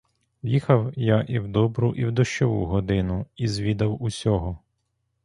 Їхав я і в добру і в дощову годину і звідав усього.